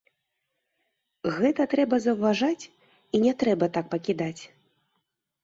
Гэта трэба заўважаць і не трэба так пакідаць.